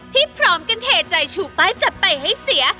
พร้อมกันเทใจชูป้ายจัดไปให้เสีย